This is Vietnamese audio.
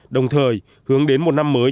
đồng thời hướng đến một năm mới